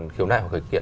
khiếu nại hoặc khởi kiện